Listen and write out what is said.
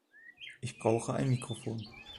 Ich brauche ein Mikrofon.